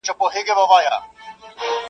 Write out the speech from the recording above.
د څپو غېږته قسمت وو غورځولی-